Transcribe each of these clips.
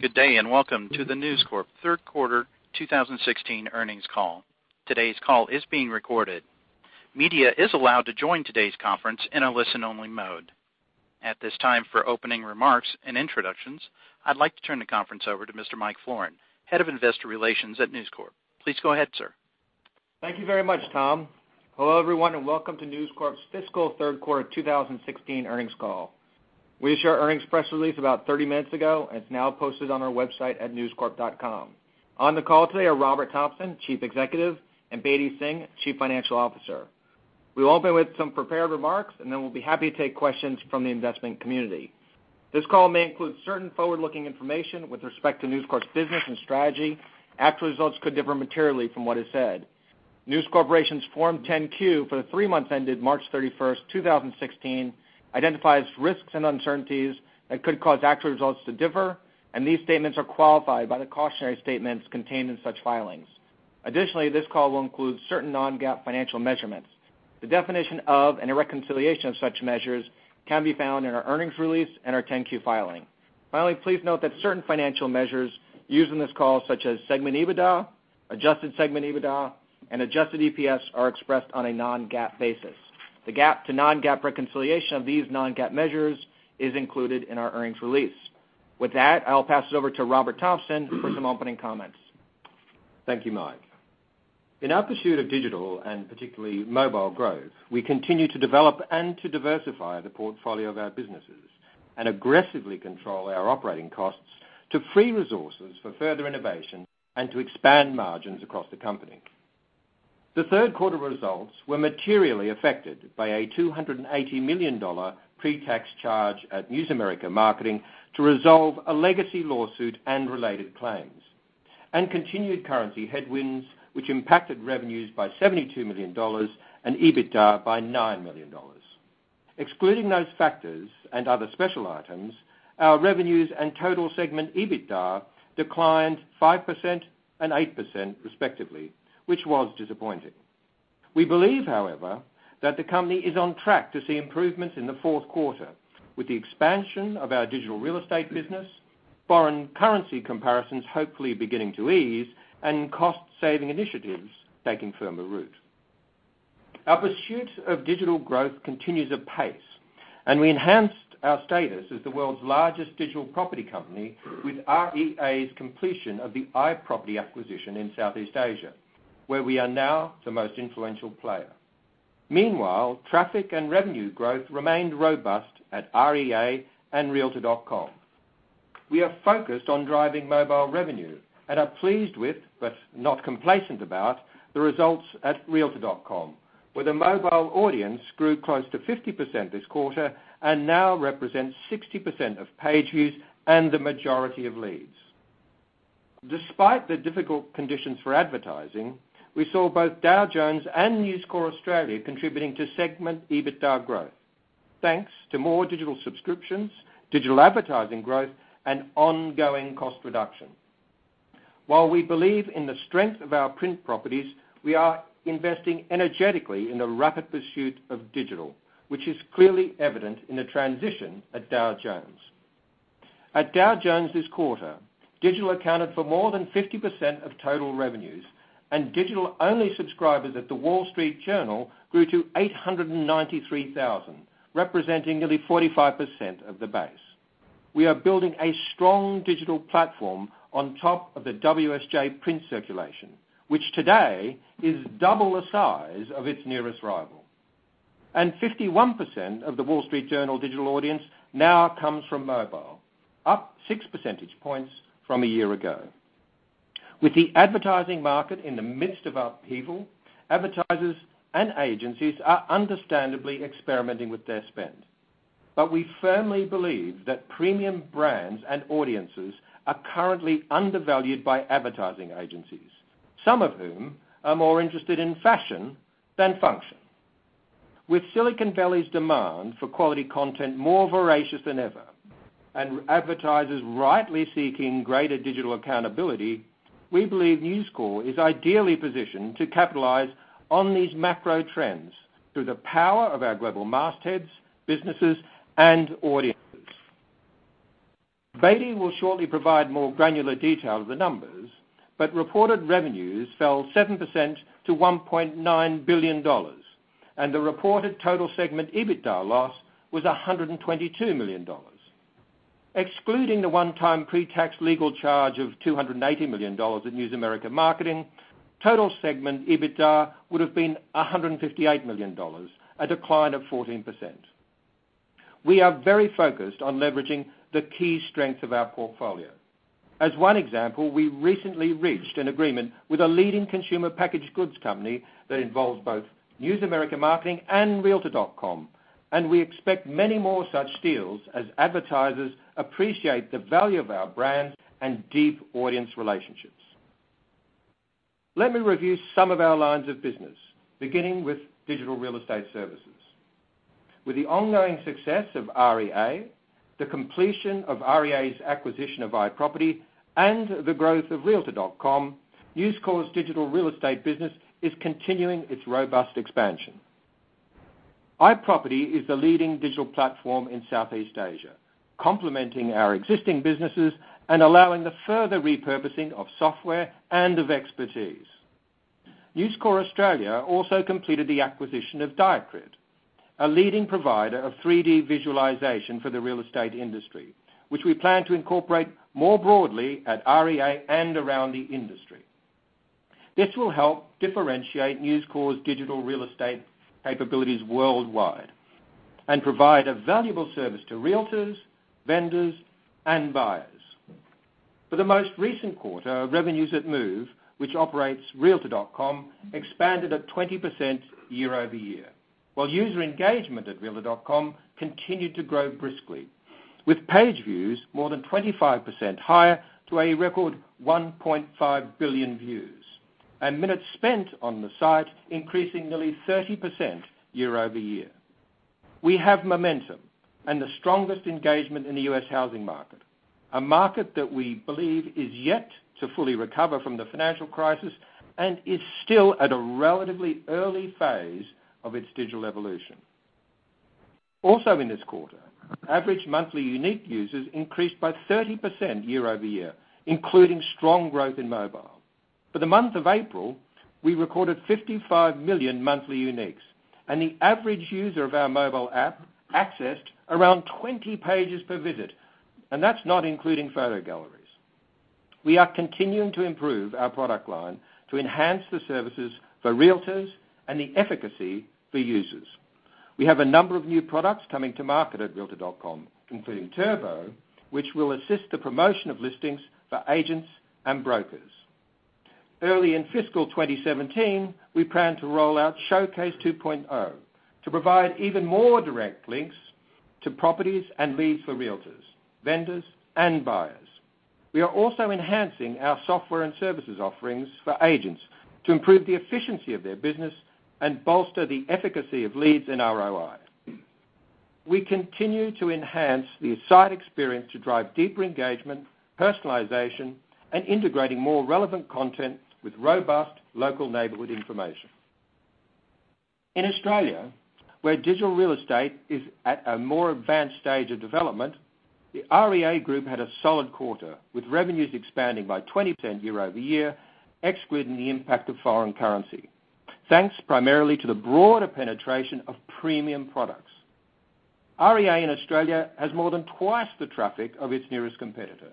Good day. Welcome to the News Corp third quarter 2016 earnings call. Today's call is being recorded. Media is allowed to join today's conference in a listen-only mode. At this time, for opening remarks and introductions, I'd like to turn the conference over to Michael Florin, Head of Investor Relations at News Corp. Please go ahead, sir. Thank you very much, Tom. Hello, everyone. Welcome to News Corp's fiscal third quarter 2016 earnings call. We issued our earnings press release about 30 minutes ago. It's now posted on our website at newscorp.com. On the call today are Robert Thomson, Chief Executive, and Bedi Singh, Chief Financial Officer. We will open with some prepared remarks. Then we'll be happy to take questions from the investment community. This call may include certain forward-looking information with respect to News Corp's business and strategy. Actual results could differ materially from what is said. News Corporation's Form 10-Q for the three months ended March 31st, 2016 identifies risks and uncertainties that could cause actual results to differ. These statements are qualified by the cautionary statements contained in such filings. Additionally, this call will include certain non-GAAP financial measurements. The definition of and a reconciliation of such measures can be found in our earnings release and our 10-Q filing. Finally, please note that certain financial measures used in this call, such as segment EBITDA, adjusted segment EBITDA, and adjusted EPS are expressed on a non-GAAP basis. The GAAP to non-GAAP reconciliation of these non-GAAP measures is included in our earnings release. With that, I'll pass it over to Robert Thomson for some opening comments. Thank you, Mike. In our pursuit of digital, and particularly mobile growth, we continue to develop and to diversify the portfolio of our businesses and aggressively control our operating costs to free resources for further innovation and to expand margins across the company. The third quarter results were materially affected by a $280 million pre-tax charge at News America Marketing to resolve a legacy lawsuit and related claims. Continued currency headwinds impacted revenues by $72 million and EBITDA by $9 million. Excluding those factors and other special items, our revenues and total segment EBITDA declined 5% and 8% respectively, which was disappointing. We believe, however, that the company is on track to see improvements in the fourth quarter with the expansion of our digital real estate business, foreign currency comparisons hopefully beginning to ease, and cost-saving initiatives taking firmer root. Our pursuit of digital growth continues apace. We enhanced our status as the world's largest digital property company with REA's completion of the iProperty acquisition in Southeast Asia, where we are now the most influential player. Meanwhile, traffic and revenue growth remained robust at REA and realtor.com. We are focused on driving mobile revenue and are pleased with, but not complacent about the results at realtor.com, where the mobile audience grew close to 50% this quarter and now represents 60% of page views and the majority of leads. Despite the difficult conditions for advertising, we saw both Dow Jones and News Corp Australia contributing to segment EBITDA growth, thanks to more digital subscriptions, digital advertising growth, and ongoing cost reduction. While we believe in the strength of our print properties, we are investing energetically in the rapid pursuit of digital, which is clearly evident in the transition at Dow Jones. At Dow Jones this quarter, digital accounted for more than 50% of total revenues, and digital-only subscribers at The Wall Street Journal grew to 893,000, representing nearly 45% of the base. We are building a strong digital platform on top of the WSJ print circulation, which today is double the size of its nearest rival. 51% of The Wall Street Journal digital audience now comes from mobile, up six percentage points from a year ago. With the advertising market in the midst of upheaval, advertisers and agencies are understandably experimenting with their spend. We firmly believe that premium brands and audiences are currently undervalued by advertising agencies, some of whom are more interested in fashion than function. With Silicon Valley's demand for quality content more voracious than ever, and advertisers rightly seeking greater digital accountability, we believe News Corp is ideally positioned to capitalize on these macro trends through the power of our global mastheads, businesses, and audiences. Bedi will shortly provide more granular detail of the numbers, but reported revenues fell 7% to $1.9 billion, and the reported total segment EBITDA loss was $122 million. Excluding the one-time pre-tax legal charge of $280 million at News America Marketing, total segment EBITDA would've been $158 million, a decline of 14%. We are very focused on leveraging the key strengths of our portfolio. As one example, we recently reached an agreement with a leading consumer packaged goods company that involves both News America Marketing and realtor.com, and we expect many more such deals as advertisers appreciate the value of our brands and deep audience relationships. Let me review some of our lines of business, beginning with digital real estate services. With the ongoing success of REA, the completion of REA's acquisition of iProperty, and the growth of realtor.com, News Corp's digital real estate business is continuing its robust expansion. iProperty is the leading digital platform in Southeast Asia, complementing our existing businesses and allowing the further repurposing of software and of expertise. News Corp Australia also completed the acquisition of DIAKRIT, a leading provider of 3D visualization for the real estate industry, which we plan to incorporate more broadly at REA and around the industry. This will help differentiate News Corp's digital real estate capabilities worldwide, and provide a valuable service to realtors, vendors, and buyers. For the most recent quarter, revenues at Move, which operates Realtor.com, expanded at 20% year-over-year, while user engagement at Realtor.com continued to grow briskly, with page views more than 25% higher to a record 1.5 billion views. Minutes spent on the site increasing nearly 30% year-over-year. We have momentum and the strongest engagement in the U.S. housing market. A market that we believe is yet to fully recover from the financial crisis, and is still at a relatively early phase of its digital evolution. Also in this quarter, average monthly unique users increased by 30% year-over-year, including strong growth in mobile. For the month of April, we recorded 55 million monthly uniques, and the average user of our mobile app accessed around 20 pages per visit. That's not including photo galleries. We are continuing to improve our product line to enhance the services for Realtors and the efficacy for users. We have a number of new products coming to market at Realtor.com, including Turbo, which will assist the promotion of listings for agents and brokers. Early in fiscal 2017, we plan to roll out Showcase 2.0 to provide even more direct links to properties and leads for Realtors, vendors, and buyers. We are also enhancing our software and services offerings for agents to improve the efficiency of their business and bolster the efficacy of leads in ROI. We continue to enhance the site experience to drive deeper engagement, personalization, and integrating more relevant content with robust local neighborhood information. In Australia, where digital real estate is at a more advanced stage of development, the REA Group had a solid quarter, with revenues expanding by 20% year-over-year, excluding the impact of foreign currency, thanks primarily to the broader penetration of premium products. REA in Australia has more than twice the traffic of its nearest competitor.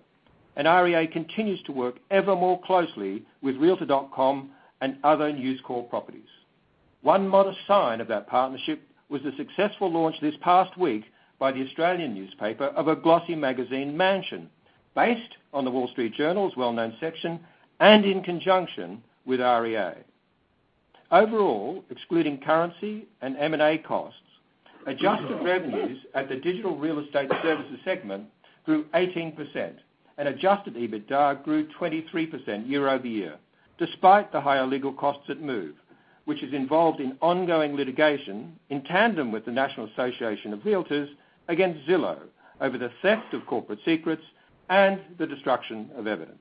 REA continues to work ever more closely with Realtor.com and other News Corp properties. One modest sign of that partnership was the successful launch this past week by the Australian newspaper of a glossy magazine, Mansion, based on The Wall Street Journal's well-known section and in conjunction with REA. Overall, excluding currency and M&A costs, adjusted revenues at the digital real estate services segment grew 18%, and adjusted EBITDA grew 23% year-over-year, despite the higher legal costs at Move, which is involved in ongoing litigation in tandem with the National Association of Realtors against Zillow over the theft of corporate secrets and the destruction of evidence.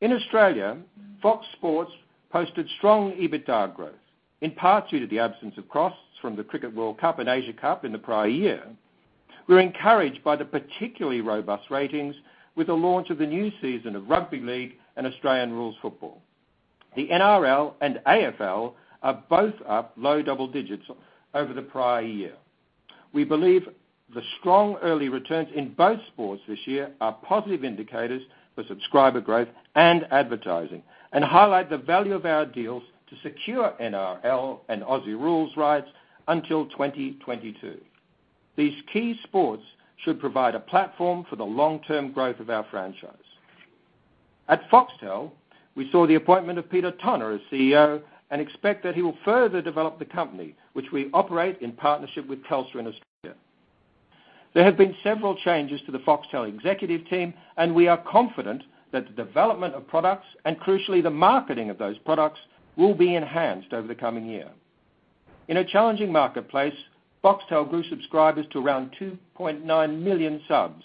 In Australia, Fox Sports posted strong EBITDA growth, in part due to the absence of costs from the Cricket World Cup and Asia Cup in the prior year. We're encouraged by the particularly robust ratings with the launch of the new season of Rugby League and Australian rules football. The NRL and AFL are both up low double digits over the prior year. We believe the strong early returns in both sports this year are positive indicators for subscriber growth and advertising, and highlight the value of our deals to secure NRL and Aussie rules rights until 2022. These key sports should provide a platform for the long-term growth of our franchise. At Foxtel, we saw the appointment of Peter Tonagh as CEO, and expect that he will further develop the company, which we operate in partnership with Telstra in Australia. There have been several changes to the Foxtel executive team, and we are confident that the development of products, and crucially, the marketing of those products, will be enhanced over the coming year. In a challenging marketplace, Foxtel grew subscribers to around 2.9 million subs,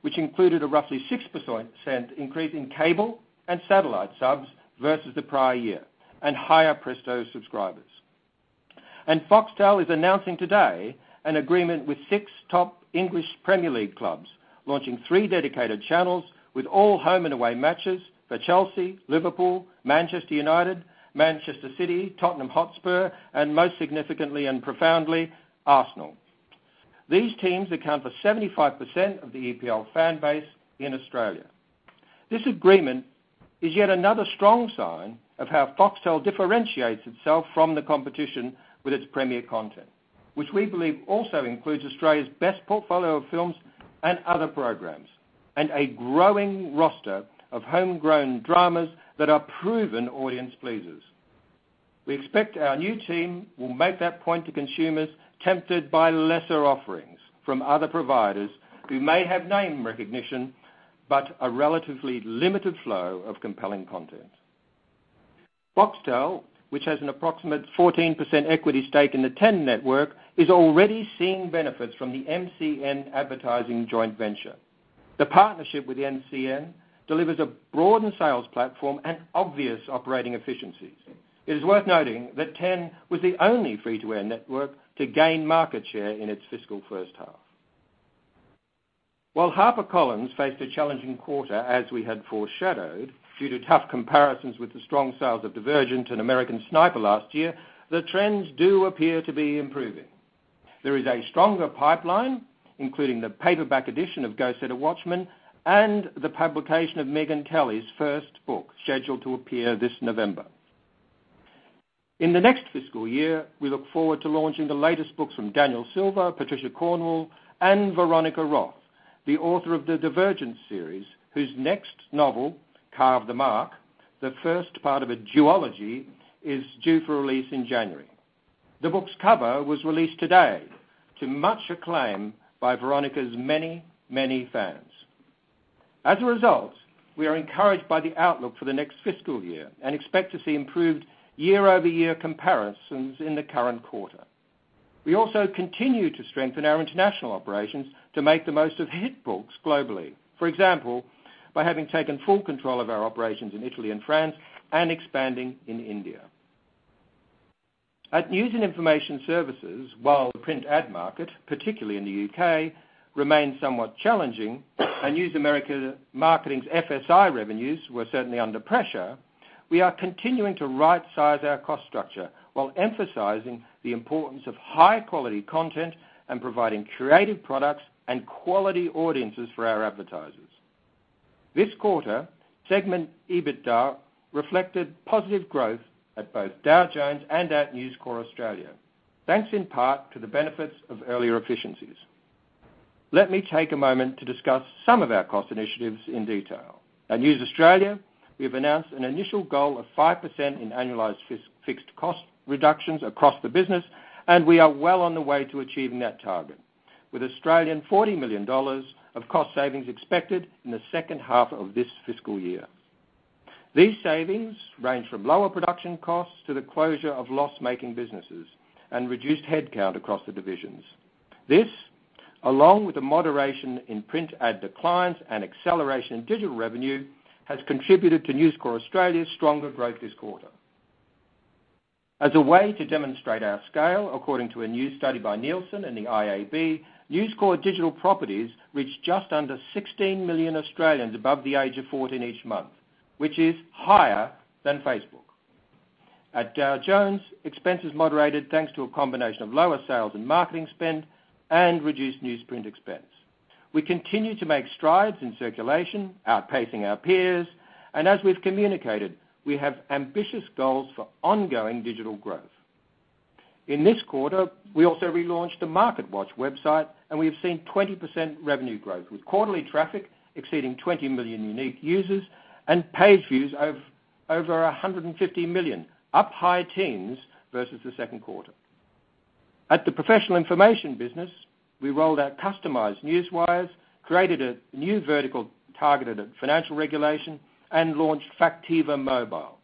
which included a roughly 6% increase in cable and satellite subs versus the prior year, and higher Presto subscribers. Foxtel is announcing today an agreement with 6 top English Premier League clubs, launching three dedicated channels with all home and away matches for Chelsea, Liverpool, Manchester United, Manchester City, Tottenham Hotspur, and most significantly and profoundly, Arsenal. These teams account for 75% of the EPL fan base in Australia. This agreement is yet another strong sign of how Foxtel differentiates itself from the competition with its premier content, which we believe also includes Australia's best portfolio of films and other programs. A growing roster of homegrown dramas that are proven audience-pleasers. We expect our new team will make that point to consumers tempted by lesser offerings from other providers who may have name recognition, but a relatively limited flow of compelling content. Foxtel, which has an approximate 14% equity stake in the Network Ten, is already seeing benefits from the MCN advertising joint venture. The partnership with MCN delivers a broadened sales platform and obvious operating efficiencies. It is worth noting that 10 was the only free-to-air network to gain market share in its fiscal first half. HarperCollins faced a challenging quarter, as we had foreshadowed, due to tough comparisons with the strong sales of Divergent and American Sniper last year, the trends do appear to be improving. There is a stronger pipeline, including the paperback edition of Go Set a Watchman and the publication of Megyn Kelly's first book, scheduled to appear this November. In the next fiscal year, we look forward to launching the latest books from Daniel Silva, Patricia Cornwell, and Veronica Roth, the author of the Divergent series, whose next novel, Carve the Mark, the first part of a duology, is due for release in January. The book's cover was released today to much acclaim by Veronica's many, many fans. As a result, we are encouraged by the outlook for the next fiscal year and expect to see improved year-over-year comparisons in the current quarter. We also continue to strengthen our international operations to make the most of hit books globally. For example, by having taken full control of our operations in Italy and France, and expanding in India. At News and Information Services, while the print ad market, particularly in the U.K., remains somewhat challenging, and News America Marketing's FSI revenues were certainly under pressure, we are continuing to right-size our cost structure while emphasizing the importance of high-quality content and providing creative products and quality audiences for our advertisers. This quarter, segment EBITDA reflected positive growth at both Dow Jones and at News Corp Australia, thanks in part to the benefits of earlier efficiencies. Let me take a moment to discuss some of our cost initiatives in detail. At News Australia, we have announced an initial goal of 5% in annualized fixed cost reductions across the business, and we are well on the way to achieving that target, with 40 million Australian dollars of cost savings expected in the second half of this fiscal year. These savings range from lower production costs to the closure of loss-making businesses and reduced headcount across the divisions. This, along with the moderation in print ad declines and acceleration in digital revenue, has contributed to News Corp Australia's stronger growth this quarter. As a way to demonstrate our scale, according to a new study by Nielsen and the IAB, News Corp digital properties reached just under 16 million Australians above the age of 14 each month, which is higher than Facebook. At Dow Jones, expenses moderated thanks to a combination of lower sales and marketing spend and reduced newsprint expense. As we've communicated, we have ambitious goals for ongoing digital growth. In this quarter, we also relaunched the MarketWatch website, and we have seen 20% revenue growth, with quarterly traffic exceeding 20 million unique users and page views over 150 million, up high teens versus the second quarter. At the professional information business, we rolled out customized newswires, created a new vertical targeted at financial regulation, and launched Factiva Mobile,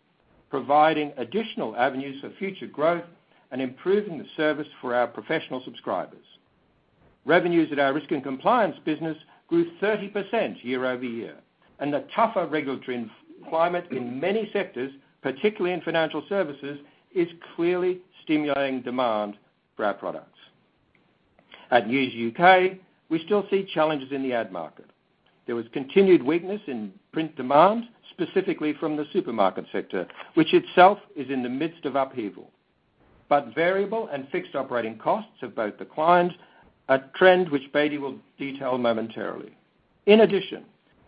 providing additional avenues for future growth and improving the service for our professional subscribers. Revenues at our risk and compliance business grew 30% year-over-year. The tougher regulatory climate in many sectors, particularly in financial services, is clearly stimulating demand for our products. At News UK, we still see challenges in the ad market. There was continued weakness in print demand, specifically from the supermarket sector, which itself is in the midst of upheaval. Variable and fixed operating costs have both declined, a trend which Bedi will detail momentarily. In addition,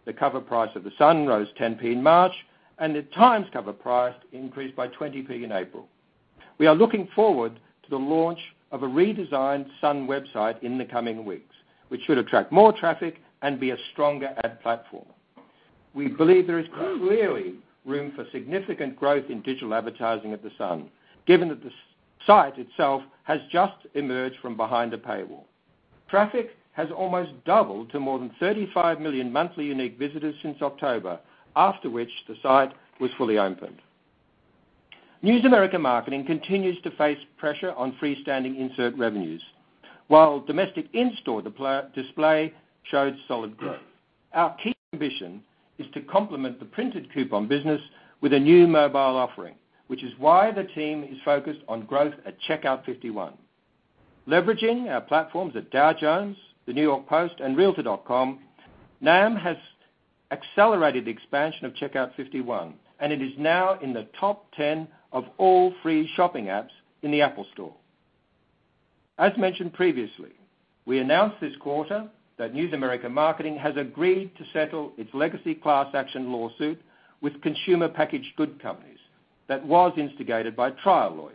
the cover price of The Sun rose 0.10 in March. The Times cover price increased by 0.20 in April. We are looking forward to the launch of a redesigned Sun website in the coming weeks, which should attract more traffic and be a stronger ad platform. We believe there is clearly room for significant growth in digital advertising at The Sun, given that the site itself has just emerged from behind a paywall. Traffic has almost doubled to more than 35 million monthly unique visitors since October, after which the site was fully opened. News America Marketing continues to face pressure on freestanding insert revenues, while domestic in-store display showed solid growth. Our key ambition is to complement the printed coupon business with a new mobile offering, which is why the team is focused on growth at Checkout 51. Leveraging our platforms at Dow Jones, the New York Post, and realtor.com, NAM has accelerated the expansion of Checkout 51, and it is now in the top 10 of all free shopping apps in the App Store. As mentioned previously, we announced this quarter that News America Marketing has agreed to settle its legacy class action lawsuit with consumer packaged goods companies that was instigated by trial lawyers.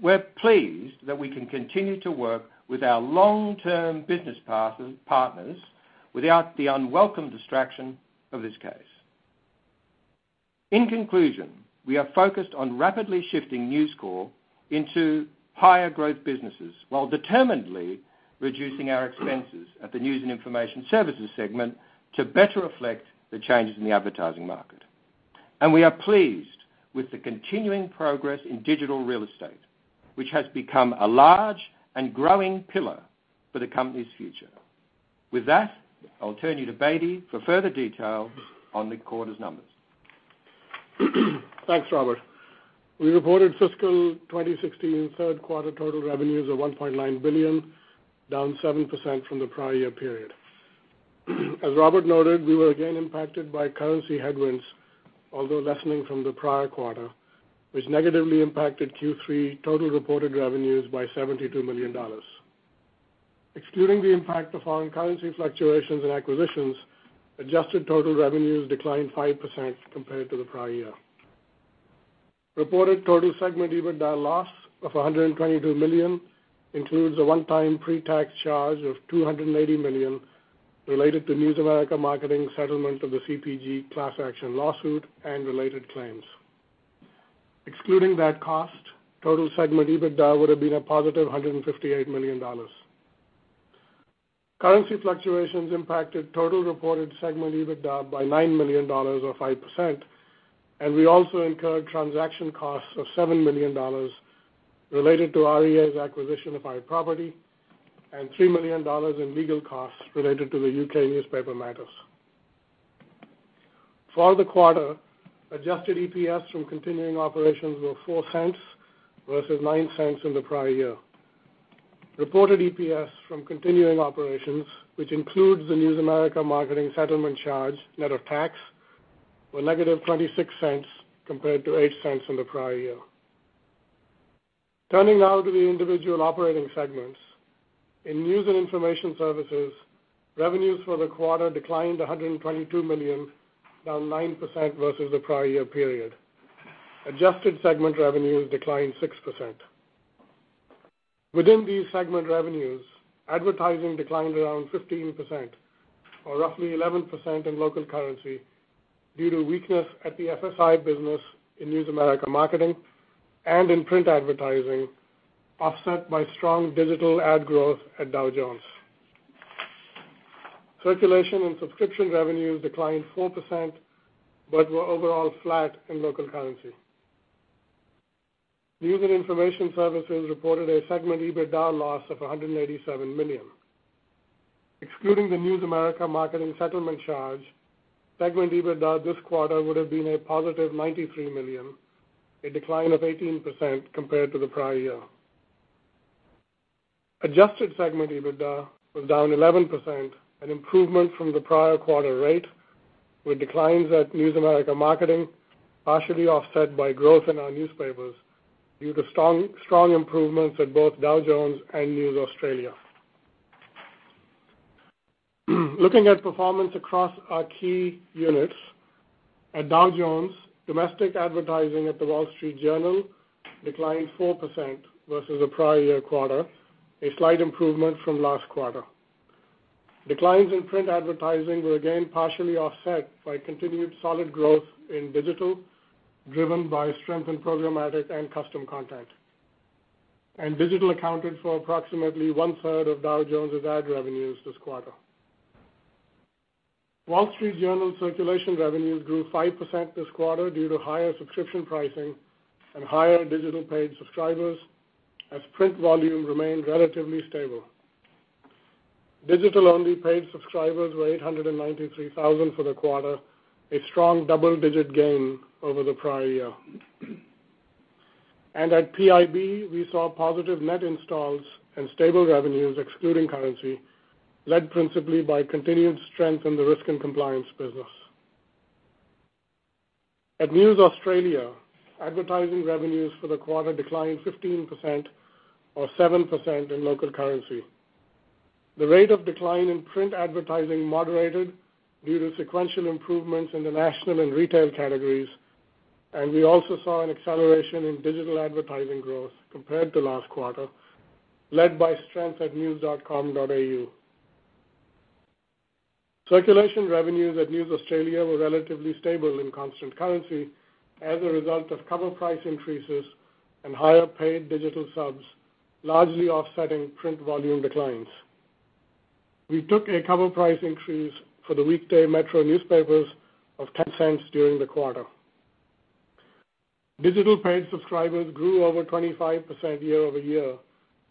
We're pleased that we can continue to work with our long-term business partners without the unwelcome distraction of this case. In conclusion, we are focused on rapidly shifting News Corp into higher growth businesses while determinedly reducing our expenses at the News and Information Services segment to better reflect the changes in the advertising market. We are pleased with the continuing progress in digital real estate, which has become a large and growing pillar for the company's future. With that, I'll turn you to Bedi for further detail on the quarter's numbers. Thanks, Robert. We reported fiscal 2016 third quarter total revenues of $1.9 billion, down 7% from the prior year period. As Robert noted, we were again impacted by currency headwinds, although lessening from the prior quarter, which negatively impacted Q3 total reported revenues by $72 million. Excluding the impact of foreign currency fluctuations and acquisitions, adjusted total revenues declined 5% compared to the prior year. Reported total segment EBITDA loss of $122 million includes a one-time pre-tax charge of $280 million related to News America Marketing settlement of the CPG class action lawsuit and related claims. Excluding that cost, total segment EBITDA would've been a positive $158 million. Currency fluctuations impacted total reported segment EBITDA by $9 million, or 5%, and we also incurred transaction costs of $7 million related to REA's acquisition of iProperty and $3 million in legal costs related to the U.K. newspaper matters. For the quarter, adjusted EPS from continuing operations were $0.04 versus $0.09 in the prior year. Reported EPS from continuing operations, which includes the News America Marketing settlement charge, net of tax, were negative $0.26 compared to $0.08 in the prior year. Turning now to the individual operating segments. In News and Information Services, revenues for the quarter declined $122 million, down 9% versus the prior year period. Adjusted segment revenues declined 6%. Within these segment revenues, advertising declined around 15%, or roughly 11% in local currency, due to weakness at the FSI business in News America Marketing and in print advertising, offset by strong digital ad growth at Dow Jones. Circulation and subscription revenues declined 4%, but were overall flat in local currency. News and Information Services reported a segment EBITDA loss of $187 million. Excluding the News America Marketing settlement charge, segment EBITDA this quarter would've been a positive $93 million, a decline of 18% compared to the prior year. Adjusted segment EBITDA was down 11%, an improvement from the prior quarter rate, with declines at News America Marketing partially offset by growth in our newspapers due to strong improvements at both Dow Jones and News Corp Australia. Looking at performance across our key units, at Dow Jones, domestic advertising at The Wall Street Journal declined 4% versus the prior year quarter, a slight improvement from last quarter. Declines in print advertising were again partially offset by continued solid growth in digital, driven by strength in programmatic and custom content. Digital accounted for approximately 1/3 of Dow Jones' ad revenues this quarter. Wall Street Journal circulation revenues grew 5% this quarter due to higher subscription pricing and higher digital paid subscribers as print volume remained relatively stable. Digital-only paid subscribers were 893,000 for the quarter, a strong double-digit gain over the prior year. At PIB, we saw positive net installs and stable revenues excluding currency, led principally by continued strength in the risk and compliance business. At News Corp Australia, advertising revenues for the quarter declined 15%, or 7% in local currency. The rate of decline in print advertising moderated due to sequential improvements in the national and retail categories. We also saw an acceleration in digital advertising growth compared to last quarter, led by strength at news.com.au. Circulation revenues at News Corp Australia were relatively stable in constant currency as a result of cover price increases and higher paid digital subs, largely offsetting print volume declines. We took a cover price increase for the weekday metro newspapers of 0.10 during the quarter. Digital paid subscribers grew over 25% year-over-year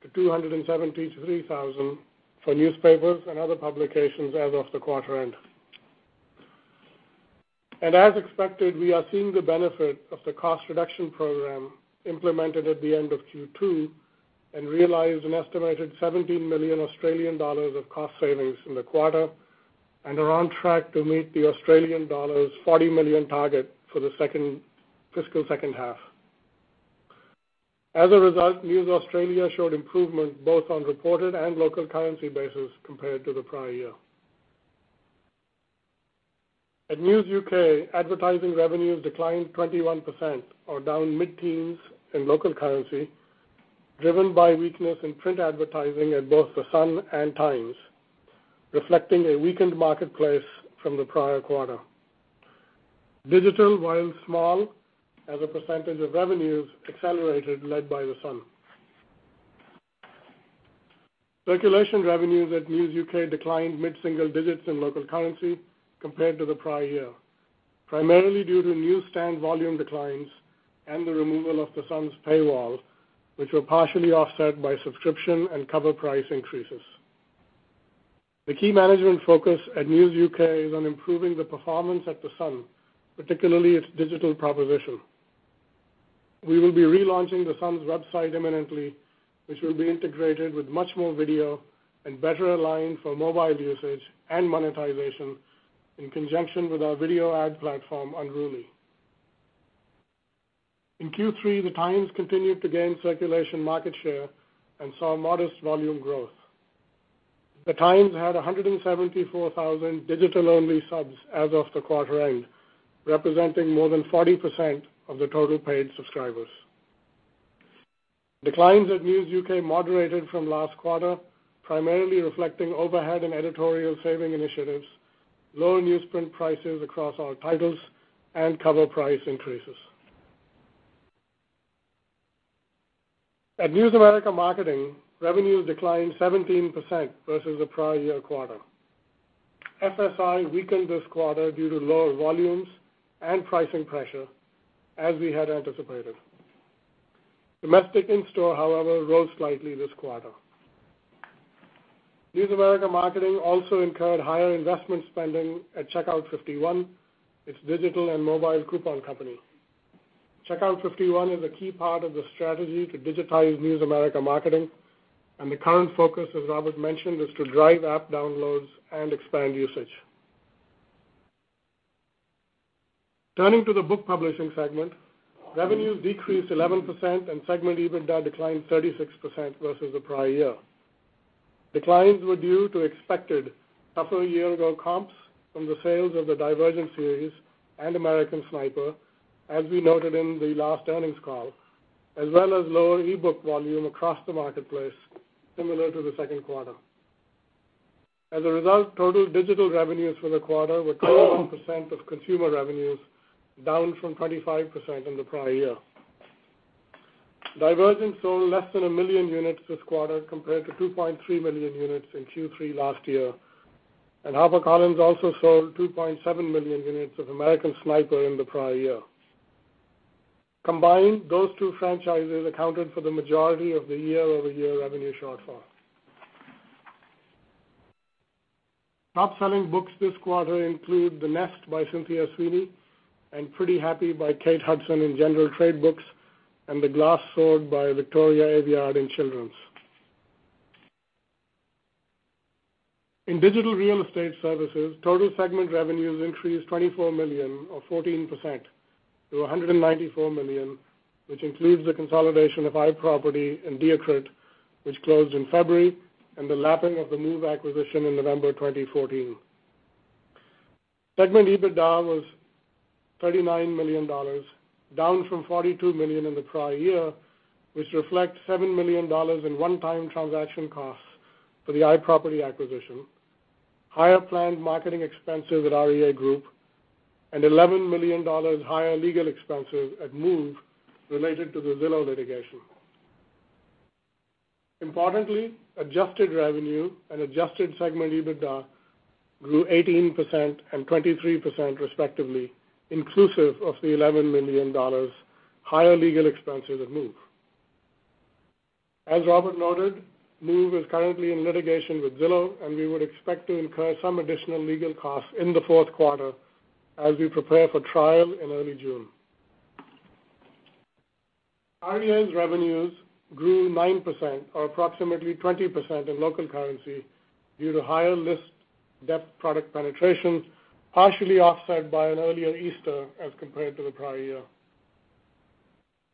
to 273,000 for newspapers and other publications as of the quarter end. As expected, we are seeing the benefit of the cost reduction program implemented at the end of Q2 and realized an estimated 17 million Australian dollars of cost savings in the quarter and are on track to meet the 40 million target for the fiscal second half. As a result, News Corp Australia showed improvement both on reported and local currency basis compared to the prior year. At News UK, advertising revenues declined 21%, or down mid-teens in local currency, driven by weakness in print advertising at both The Sun and The Times, reflecting a weakened marketplace from the prior quarter. Digital, while small as a percentage of revenues, accelerated led by The Sun. Circulation revenues at News UK declined mid-single digits in local currency compared to the prior year, primarily due to newsstand volume declines and the removal of The Sun's paywall, which were partially offset by subscription and cover price increases. The key management focus at News UK is on improving the performance at The Sun, particularly its digital proposition. We will be relaunching The Sun's website imminently, which will be integrated with much more video and better aligned for mobile usage and monetization in conjunction with our video ad platform, Unruly. In Q3, The Times continued to gain circulation market share and saw modest volume growth. The Times had 174,000 digital-only subs as of the quarter end, representing more than 40% of the total paid subscribers. Declines at News UK moderated from last quarter, primarily reflecting overhead and editorial saving initiatives, lower newsprint prices across all titles, and cover price increases. At News America Marketing, revenues declined 17% versus the prior year quarter. FSI weakened this quarter due to lower volumes and pricing pressure, as we had anticipated. Domestic in-store, however, rose slightly this quarter. News America Marketing also incurred higher investment spending at Checkout 51, its digital and mobile coupon company. Checkout 51 is a key part of the strategy to digitize News America Marketing, and the current focus, as Robert mentioned, is to drive app downloads and expand usage. Turning to the book publishing segment, revenues decreased 11% and segment EBITDA declined 36% versus the prior year. Declines were due to expected tougher year-ago comps from the sales of the Divergent series and American Sniper, as we noted in the last earnings call, as well as lower e-book volume across the marketplace, similar to the second quarter. As a result, total digital revenues for the quarter were 21% of consumer revenues, down from 25% in the prior year. Divergent sold less than 1 million units this quarter compared to 2.3 million units in Q3 last year, and HarperCollins also sold 2.7 million units of American Sniper in the prior year. Combined, those two franchises accounted for the majority of the year-over-year revenue shortfall. Top-selling books this quarter include "The Nest" by Cynthia Sweeney and "Pretty Happy" by Kate Hudson in general trade books, and "The Glass Sword" by Victoria Aveyard in children's. In digital real estate services, total segment revenues increased $24 million or 14% to $194 million, which includes the consolidation of iProperty and DIAKRIT, which closed in February, and the lapping of the Move acquisition in November 2014. Segment EBITDA was $39 million, down from $42 million in the prior year, which reflects $7 million in one-time transaction costs for the iProperty acquisition, higher planned marketing expenses at REA Group, and $11 million higher legal expenses at Move related to the Zillow litigation. Importantly, adjusted revenue and adjusted segment EBITDA grew 18% and 23% respectively, inclusive of the $11 million higher legal expenses at Move. As Robert noted, Move is currently in litigation with Zillow, and we would expect to incur some additional legal costs in the fourth quarter as we prepare for trial in early June. REA's revenues grew 9%, or approximately 20% in local currency, due to higher list depth product penetration, partially offset by an earlier Easter as compared to the prior year.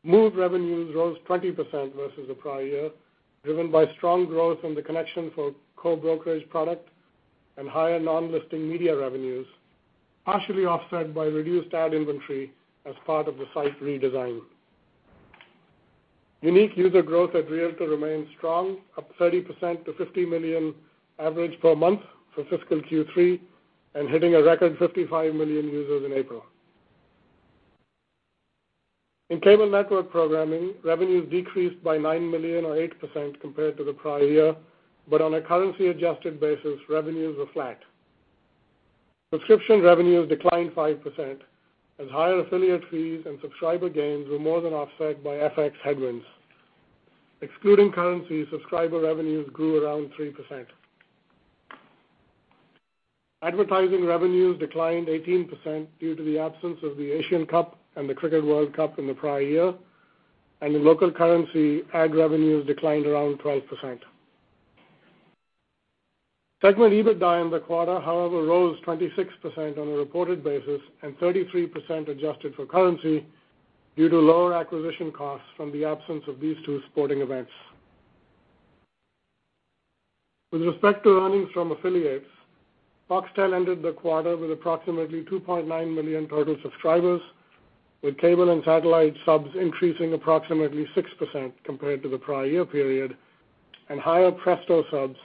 Move revenues rose 20% versus the prior year, driven by strong growth from the connection for co-brokerage product and higher non-listing media revenues, partially offset by reduced ad inventory as part of the site redesign. Unique user growth at Realtor remains strong, up 30% to 50 million average per month for fiscal Q3 and hitting a record 55 million users in April. In cable network programming, revenues decreased by $9 million or 8% compared to the prior year. On a currency-adjusted basis, revenues were flat. Subscription revenues declined 5%, as higher affiliate fees and subscriber gains were more than offset by FX headwinds. Excluding currency, subscriber revenues grew around 3%. Advertising revenues declined 18% due to the absence of the Asian Cup and the Cricket World Cup in the prior year. In local currency, ad revenues declined around 12%. Segment EBITDA in the quarter, however, rose 26% on a reported basis and 33% adjusted for currency due to lower acquisition costs from the absence of these two sporting events. With respect to earnings from affiliates, Foxtel ended the quarter with approximately 2.9 million total subscribers, with cable and satellite subs increasing approximately 6% compared to the prior year period and higher Presto subs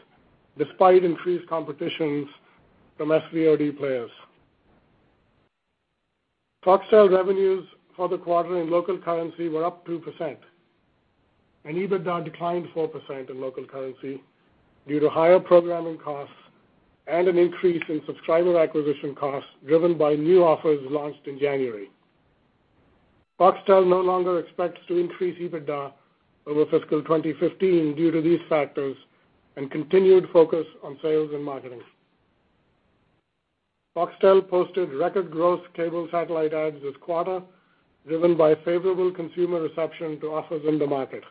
despite increased competitions from SVOD players. Foxtel revenues for the quarter in local currency were up 2%. EBITDA declined 4% in local currency due to higher programming costs and an increase in subscriber acquisition costs driven by new offers launched in January. Foxtel no longer expects to increase EBITDA over FY 2015 due to these factors and continued focus on sales and marketing. Foxtel posted record gross cable satellite adds this quarter, driven by favorable consumer reception to offers in the market.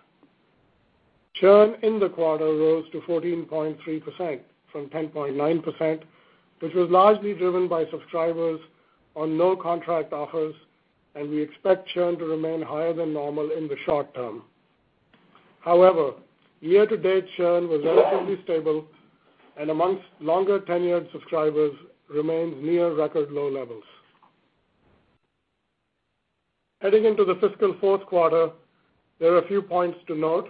Churn in the quarter rose to 14.3% from 10.9%, which was largely driven by subscribers on no-contract offers. We expect churn to remain higher than normal in the short term. Year-to-date churn was relatively stable and amongst longer-tenured subscribers, remains near record low levels. Heading into the fiscal fourth quarter, there are a few points to note.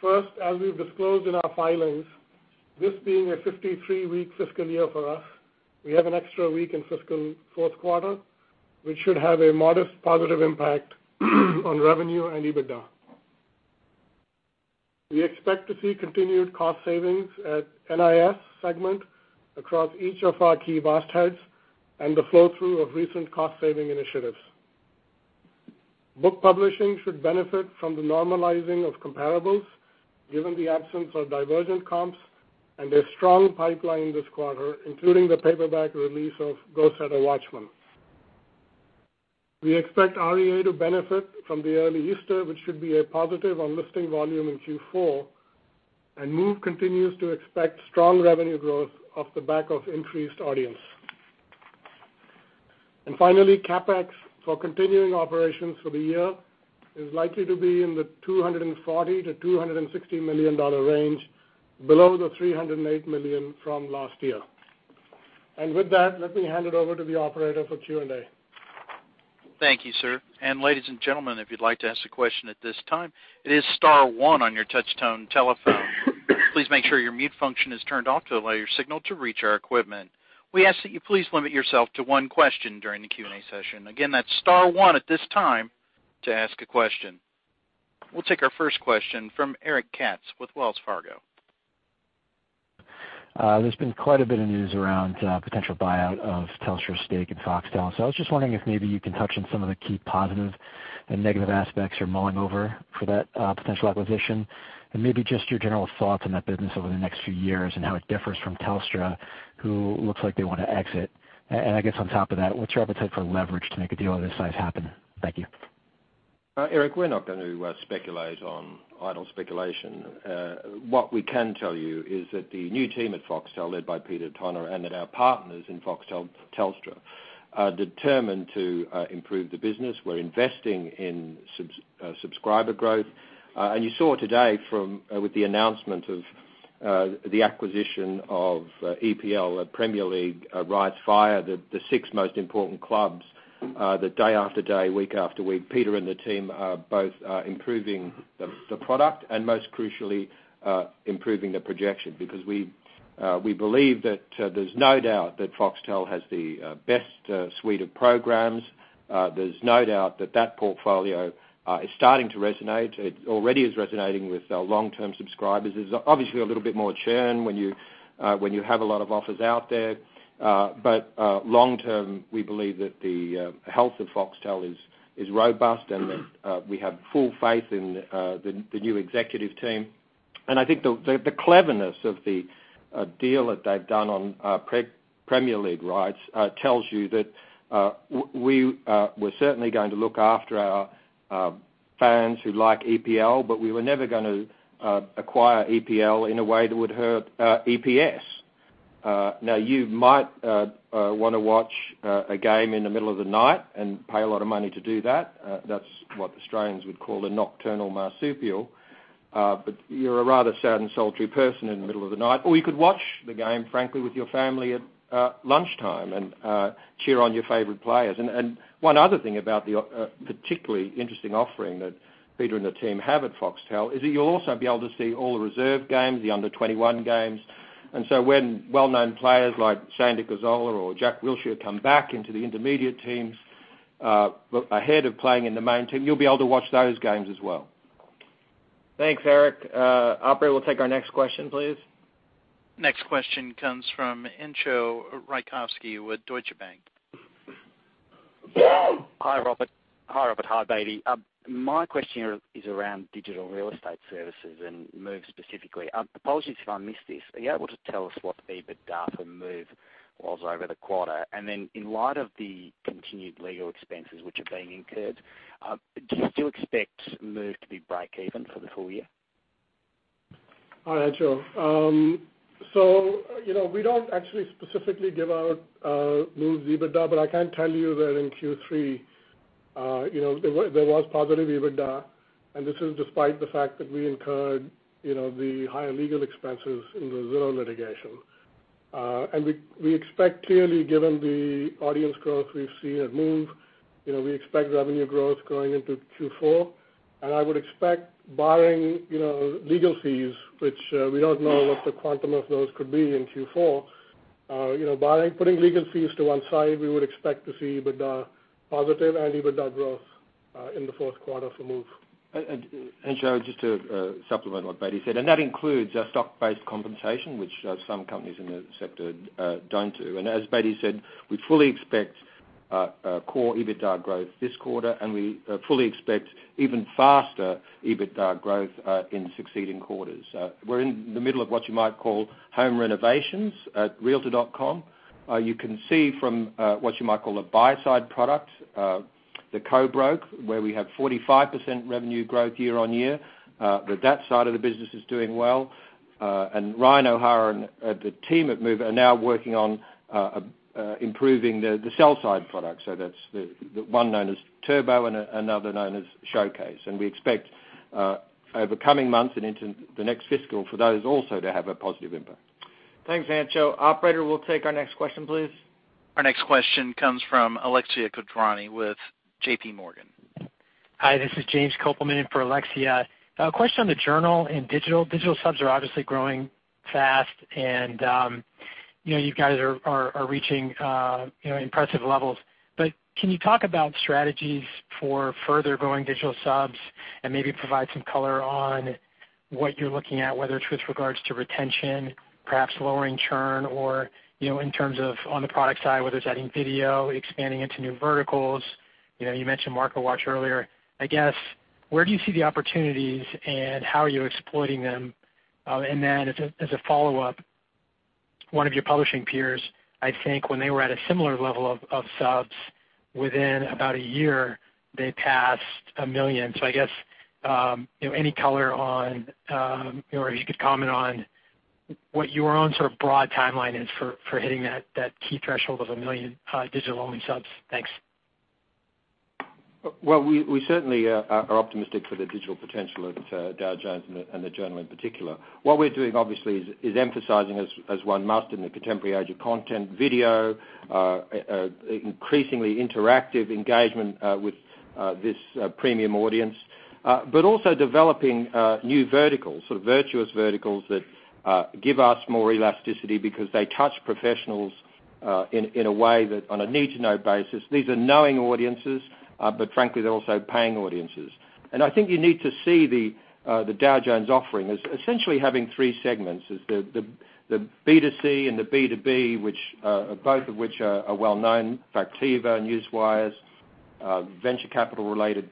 First, as we've disclosed in our filings, this being a 53-week fiscal year for us, we have an extra week in fiscal fourth quarter, which should have a modest positive impact on revenue and EBITDA. We expect to see continued cost savings at NIS segment across each of our key business units and the flow-through of recent cost-saving initiatives. Book publishing should benefit from the normalizing of comparables, given the absence of Divergent comps and a strong pipeline this quarter, including the paperback release of "Go Set a Watchman." We expect REA to benefit from the early Easter, which should be a positive on listing volume in Q4. Move continues to expect strong revenue growth off the back of increased audience. Finally, CapEx for continuing operations for the year is likely to be in the $240 million-$260 million range, below the $308 million from last year. With that, let me hand it over to the operator for Q&A. Thank you, sir. Ladies and gentlemen, if you'd like to ask a question at this time, it is star one on your touch-tone telephone. Please make sure your mute function is turned off to allow your signal to reach our equipment. We ask that you please limit yourself to one question during the Q&A session. Again, that's star one at this time to ask a question. We'll take our first question from Eric Katz with Wells Fargo. There's been quite a bit of news around potential buyout of Telstra's stake in Foxtel. I was just wondering if maybe you can touch on some of the key positive and negative aspects you're mulling over for that potential acquisition, and maybe just your general thoughts on that business over the next few years and how it differs from Telstra, who looks like they want to exit. I guess on top of that, what's your appetite for leverage to make a deal of this size happen? Thank you. Eric, we're not going to speculate on idle speculation. What we can tell you is that the new team at Foxtel, led by Peter Tonagh, and at our partners in Foxtel, Telstra, are determined to improve the business. We're investing in subscriber growth. You saw today with the announcement of the acquisition of EPL Premier League rights via the six most important clubs, that day after day, week after week, Peter and the team are both improving the product and, most crucially, improving the projection. We believe that there's no doubt that Foxtel has the best suite of programs. There's no doubt that that portfolio is starting to resonate. It already is resonating with our long-term subscribers. There's obviously a little bit more churn when you have a lot of offers out there. Long term, we believe that the health of Foxtel is robust and that we have full faith in the new executive team. I think the cleverness of the deal that they've done on Premier League rights tells you that we're certainly going to look after our fans who like EPL, but we were never going to acquire EPL in a way that would hurt EPS. You might want to watch a game in the middle of the night and pay a lot of money to do that. That's what Australians would call a nocturnal marsupial. You're a rather sad and sultry person in the middle of the night. You could watch the game, frankly, with your family at lunchtime and cheer on your favorite players. One other thing about the particularly interesting offering that Peter and the team have at Foxtel is that you'll also be able to see all the reserve games, the under-21 games. When well-known players like Shane Duffy or Jack Wilshere come back into the intermediate teams, ahead of playing in the main team, you'll be able to watch those games as well. Thanks, Eric. Operator, we'll take our next question, please. Next question comes from Entcho Raykovski with Deutsche Bank. Hi, Robert. Hi, Bedi. My question is around digital real estate services and Move specifically. Apologies if I missed this. Are you able to tell us what the EBITDA for Move was over the quarter? Then in light of the continued legal expenses which are being incurred, do you still expect Move to be break even for the full year? Hi, Entcho. We don't actually specifically give out Move's EBITDA, but I can tell you that in Q3, there was positive EBITDA, this is despite the fact that we incurred the higher legal expenses in the Zillow litigation. We expect clearly, given the audience growth we've seen at Move, we expect revenue growth going into Q4. I would expect barring legal fees, which we don't know what the quantum of those could be in Q4, putting legal fees to one side, we would expect to see EBITDA positive and EBITDA growth in the fourth quarter for Move. Just to supplement what Bedi said, that includes our stock-based compensation, which some companies in the sector don't do. As Bedi said, we fully expect core EBITDA growth this quarter, and we fully expect even faster EBITDA growth in succeeding quarters. We're in the middle of what you might call home renovations at realtor.com. You can see from what you might call a buy-side product, the co-broke, where we have 45% revenue growth year-on-year, that side of the business is doing well. Ryan O'Hara and the team at Move are now working on improving the sell side product. That's the one known as Turbo and another known as Showcase. We expect over coming months and into the next fiscal for those also to have a positive impact. Thanks, Entcho. Operator, we'll take our next question, please. Our next question comes from Alexia Quadrani with JP Morgan. Hi, this is James Kopelman in for Alexia. A question on the Journal in digital. Digital subs are obviously growing fast, and you guys are reaching impressive levels. Can you talk about strategies for further growing digital subs and maybe provide some color on what you're looking at, whether it's with regards to retention, perhaps lowering churn, or in terms of on the product side, whether it's adding video, expanding into new verticals? You mentioned MarketWatch earlier. I guess, where do you see the opportunities, and how are you exploiting them? Then as a follow-up, one of your publishing peers, I think when they were at a similar level of subs within about 1 year, they passed 1 million. I guess, any color on or if you could comment on what your own sort of broad timeline is for hitting that key threshold of 1 million digital-only subs. Thanks. We certainly are optimistic for the digital potential of Dow Jones and the Journal in particular. What we're doing, obviously, is emphasizing as one must in the contemporary age of content, video, increasingly interactive engagement with this premium audience. Also developing new verticals, sort of virtuous verticals that give us more elasticity because they touch professionals in a way that on a need-to-know basis, these are knowing audiences, but frankly, they're also paying audiences. I think you need to see the Dow Jones offering as essentially having three segments, is the B2C and the B2B, both of which are well-known, Factiva, Newswires, venture capital-related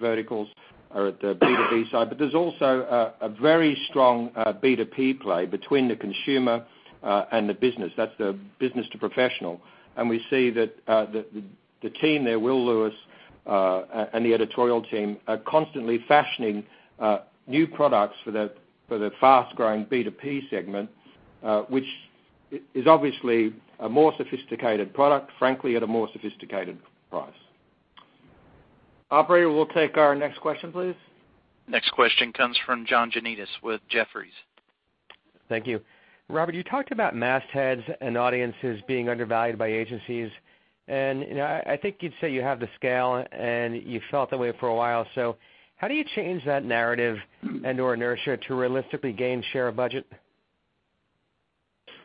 verticals are at the B2B side. But there's also a very strong B2P play between the consumer and the business. That's the business to professional. We see that the team there, Will Lewis, and the editorial team are constantly fashioning new products for the fast-growing B2P segment, which is obviously a more sophisticated product, frankly, at a more sophisticated price. Operator, we'll take our next question, please. Next question comes from John Janedis with Jefferies. Thank you. Robert, you talked about mastheads and audiences being undervalued by agencies, and I think you'd say you have the scale, and you felt that way for a while. How do you change that narrative and/or inertia to realistically gain share of budget?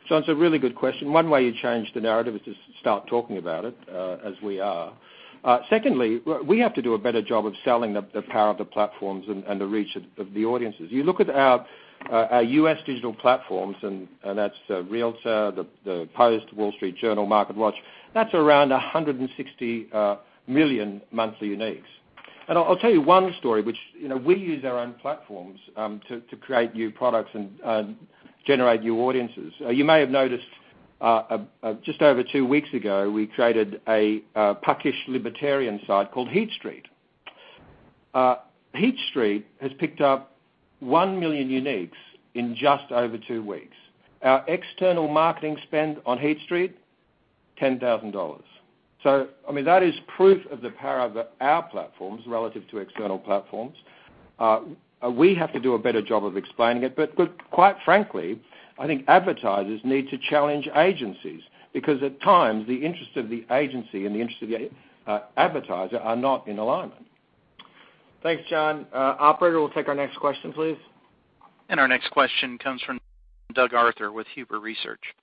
John, it's a really good question. One way you change the narrative is to start talking about it, as we are. Secondly, we have to do a better job of selling the power of the platforms and the reach of the audiences. You look at our U.S. digital platforms, and that's Realtor, the Post, Wall Street Journal, MarketWatch, that's around 160 million monthly uniques. I'll tell you one story, which we use our own platforms to create new products and generate new audiences. You may have noticed just over two weeks ago, we created a puckish libertarian site called Heat Street. Heat Street has picked up one million uniques in just over two weeks. Our external marketing spend on Heat Street, $10,000. That is proof of the power of our platforms relative to external platforms. We have to do a better job of explaining it. Quite frankly, I think advertisers need to challenge agencies because at times, the interest of the agency and the interest of the advertiser are not in alignment. Thanks, John. Operator, we'll take our next question, please. Our next question comes from Doug Arthur with Huber Research Partners.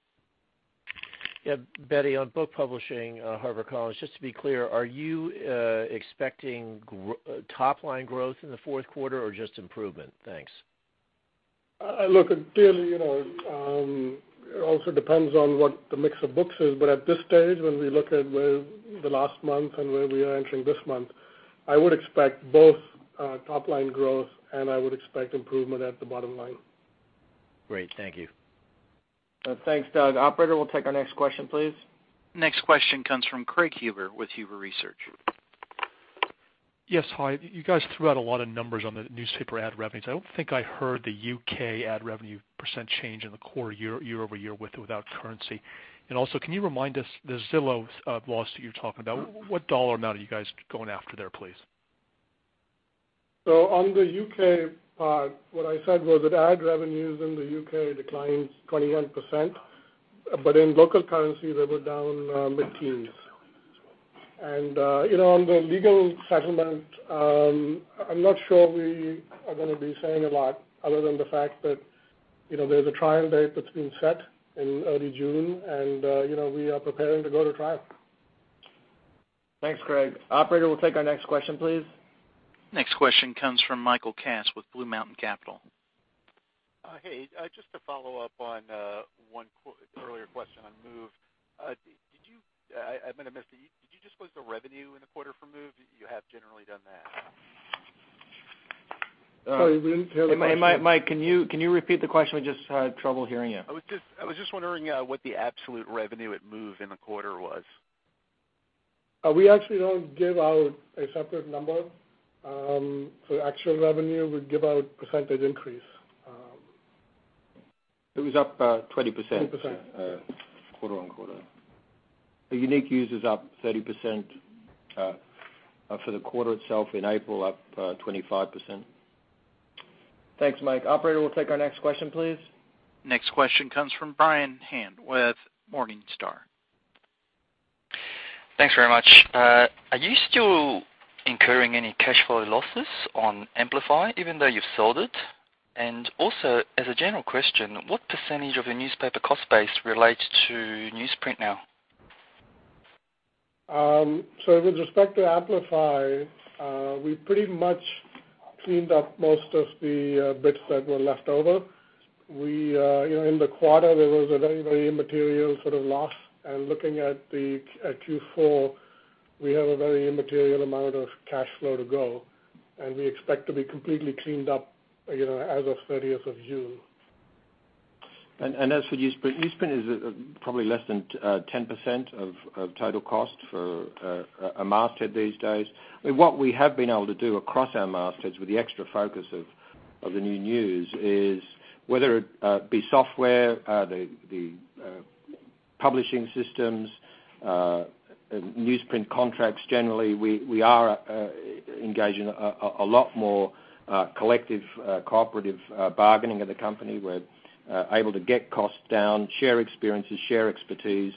Yeah, Bedi, on book publishing, HarperCollins, just to be clear, are you expecting top-line growth in the fourth quarter or just improvement? Thanks. Look, clearly, it also depends on what the mix of books is. At this stage, when we look at where the last month and where we are entering this month, I would expect both top-line growth, and I would expect improvement at the bottom line. Great. Thank you. Thanks, Doug. Operator, we'll take our next question, please. Next question comes from Craig Huber with Huber Research. Yes. Hi. You guys threw out a lot of numbers on the newspaper ad revenues. I don't think I heard the U.K. ad revenue % change in the core year-over-year with or without currency. And also, can you remind us the Zillow loss that you're talking about, what dollar amount are you guys going after there, please? On the U.K. part, what I said was that ad revenues in the U.K. declines 21%. In local currency, they were down mid-teens. On the legal settlement, I'm not sure we are going to be saying a lot other than the fact that there's a trial date that's been set in early June, and we are preparing to go to trial. Thanks, Craig. Operator, we'll take our next question, please. Next question comes from [Michael Kans] with BlueMountain Capital. Hey, just to follow up on one earlier question on Move. I might have missed it. Did you disclose the revenue in the quarter for Move? You have generally done that. Sorry, we didn't hear the question. Mike, can you repeat the question? We just had trouble hearing you. I was just wondering what the absolute revenue at Move in the quarter was. We actually don't give out a separate number for actual revenue. We give out percentage increase. It was up 20%. 20%. Quarter-on-quarter. The unique users up 30% for the quarter itself in April, up 25%. Thanks, Mike. Operator, we'll take our next question, please. Next question comes from Brian Han with Morningstar. Thanks very much. Are you still incurring any cash flow losses on Amplify, even though you've sold it? As a general question, what % of your newspaper cost base relates to newsprint now? With respect to Amplify, we pretty much cleaned up most of the bits that were left over. In the quarter, there was a very immaterial sort of loss. Looking at Q4, we have a very immaterial amount of cash flow to go, and we expect to be completely cleaned up as of 30th of June. As for newsprint is probably less than 10% of total cost for a masthead these days. What we have been able to do across our mastheads with the extra focus of the new news is whether it be software, the publishing systems, newsprint contracts, generally, we are engaging a lot more collective cooperative bargaining of the company. We're able to get costs down, share experiences, share expertise,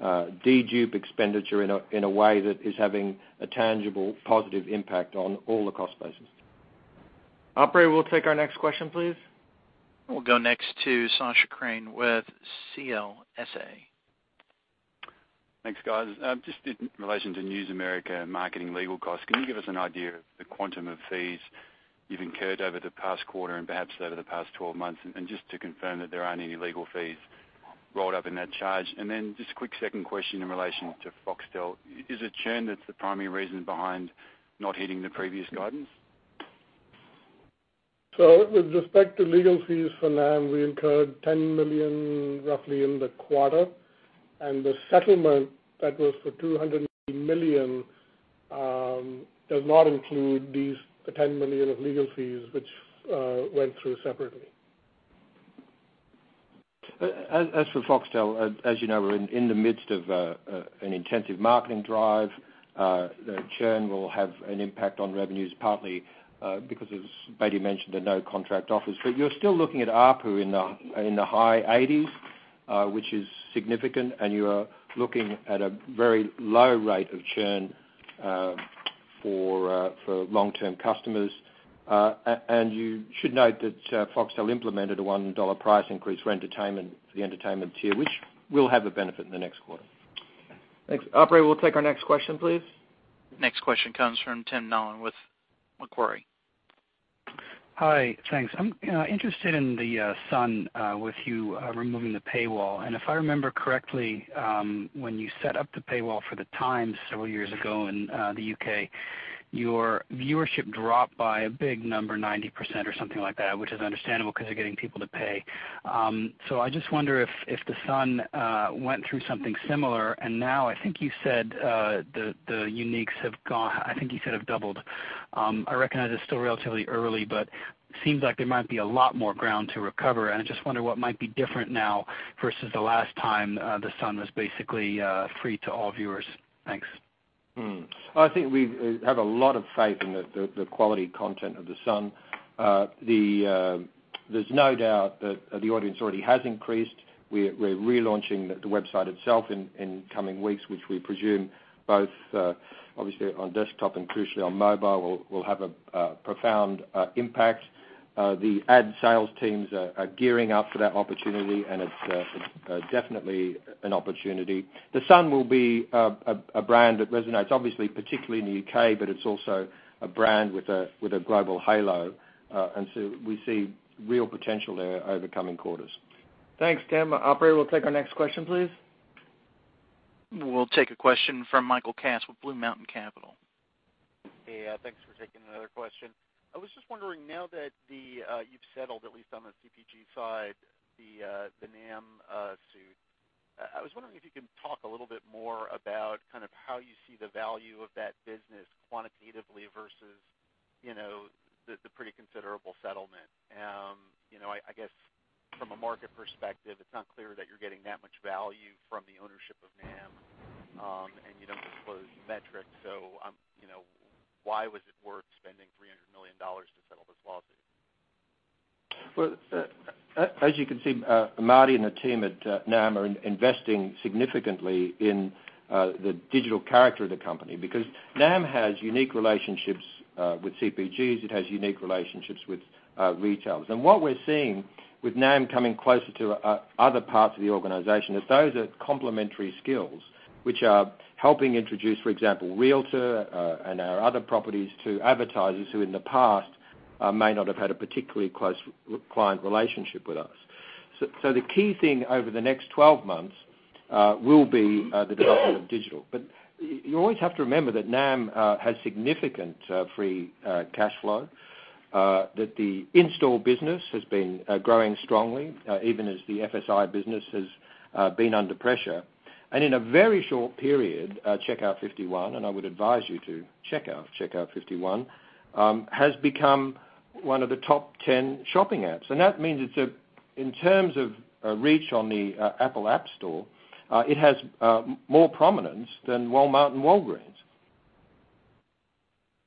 de-dupe expenditure in a way that is having a tangible, positive impact on all the cost bases. Operator, we'll take our next question, please. We'll go next to Sacha Krien with CLSA. Thanks, guys. Just in relation to News America Marketing legal costs, can you give us an idea of the quantum of fees you've incurred over the past quarter and perhaps over the past 12 months? Just to confirm that there aren't any legal fees rolled up in that charge. Just a quick second question in relation to Foxtel. Is it churn that's the primary reason behind not hitting the previous guidance? With respect to legal fees for NAM, we incurred $10 million roughly in the quarter, the settlement that was for $200 million does not include these $10 million of legal fees, which went through separately. For Foxtel, as you know, we're in the midst of an intensive marketing drive. The churn will have an impact on revenues, partly because, as Bedi mentioned, the no-contract offers. You're still looking at ARPU in the high 80s, which is significant, you are looking at a very low rate of churn for long-term customers. You should note that Foxtel implemented a $1 price increase for the entertainment tier, which will have a benefit in the next quarter. Thanks. Operator, we'll take our next question, please. Next question comes from Tim Nollen with Macquarie. Hi. Thanks. I'm interested in The Sun with you removing the paywall. If I remember correctly, when you set up the paywall for The Times several years ago in the U.K., your viewership dropped by a big number, 90% or something like that, which is understandable because you're getting people to pay. I just wonder if The Sun went through something similar. Now I think you said the uniques have doubled. I recognize it's still relatively early, but it seems like there might be a lot more ground to recover. I just wonder what might be different now versus the last time The Sun was basically free to all viewers. Thanks. I think we have a lot of faith in the quality content of The Sun. There's no doubt that the audience already has increased. We're relaunching the website itself in coming weeks, which we presume both obviously on desktop and crucially on mobile, will have a profound impact. The ad sales teams are gearing up for that opportunity. It's definitely an opportunity. The Sun will be a brand that resonates, obviously, particularly in the U.K., but it's also a brand with a global halo. We see real potential there over coming quarters. Thanks, Tim. Operator, we'll take our next question, please. We'll take a question from Michael Nathanson with BlueMountain Capital Management. Hey, thanks for taking another question. I was just wondering, now that you've settled, at least on the CPG side, the NAMM suit. I was wondering if you can talk a little bit more about kind of how you see the value of that business quantitatively versus the pretty considerable settlement. I guess from a market perspective, it's not clear that you're getting that much value from the ownership of NAMM, and you don't disclose metrics. Why was it worth spending $300 million to settle this lawsuit? Well, as you can see, Marty and the team at NAM are investing significantly in the digital character of the company, because NAM has unique relationships with CPGs, it has unique relationships with retailers. What we're seeing with NAM coming closer to other parts of the organization, is those are complementary skills which are helping introduce, for example, Realtor and our other properties to advertisers who in the past may not have had a particularly close client relationship with us. The key thing over the next 12 months will be the development of digital. You always have to remember that NAM has significant free cash flow, that the install business has been growing strongly, even as the FSI business has been under pressure. In a very short period, Checkout 51, and I would advise you to check out Checkout 51, has become one of the top 10 shopping apps. That means in terms of reach on the Apple App Store, it has more prominence than Walmart and Walgreens.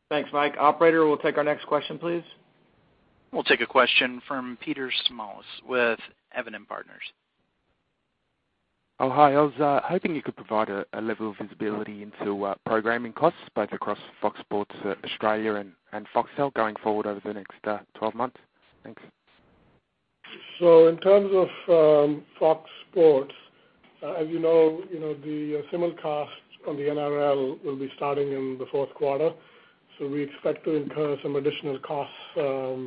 Thanks, Mike. Operator, we'll take our next question, please. We'll take a question from [Peter Smalls] with Evan & Partners. Oh, hi. I was hoping you could provide a level of visibility into programming costs, both across Fox Sports Australia and Foxtel going forward over the next 12 months. Thanks. In terms of Fox Sports, as you know, the similar costs on the NRL will be starting in the fourth quarter. We expect to incur some additional costs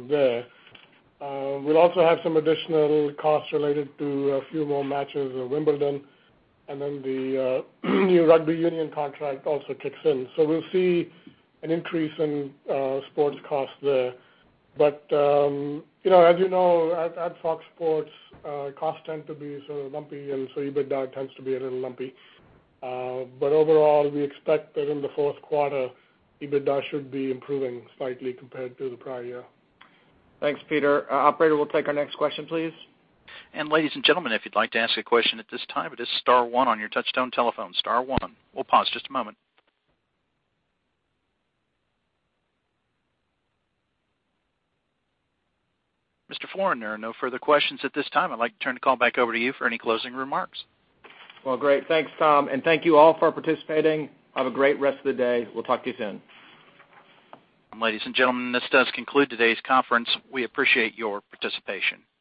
there. We'll also have some additional costs related to a few more matches at Wimbledon, the new Rugby Union contract also kicks in. We'll see an increase in sports costs there. As you know, at Fox Sports, costs tend to be sort of lumpy, EBITDA tends to be a little lumpy. Overall, we expect that in the fourth quarter, EBITDA should be improving slightly compared to the prior year. Thanks, Paul. Operator, we'll take our next question, please. Ladies and gentlemen, if you'd like to ask a question at this time, it is star one on your touchtone telephone. Star one. We'll pause just a moment. Mr. Florin, there are no further questions at this time. I'd like to turn the call back over to you for any closing remarks. Well, great. Thanks, Tom. Thank you all for participating. Have a great rest of the day. We'll talk to you soon. Ladies and gentlemen, this does conclude today's conference. We appreciate your participation.